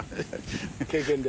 経験で。